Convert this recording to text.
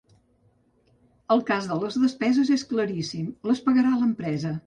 El cas de les despeses és claríssim: les pagarà l’empresa.